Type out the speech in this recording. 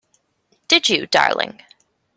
Did you, darling?